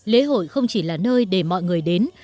lễ hội không chỉ là nơi để mọi người đến